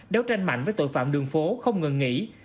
đấu tranh mạnh với tội phạm đường phố không ngừng nghỉ